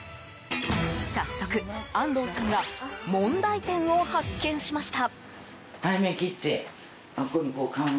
早速、安東さんが問題点を発見しました。